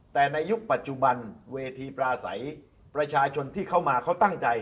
แต่ในยุคปัจจุบันเวทีปลาใสประชาชนที่เข้ามาเขาตั้งใจ